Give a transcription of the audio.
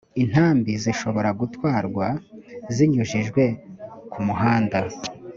intambi zishobora gutwarwa zinyujijwe ku muhanda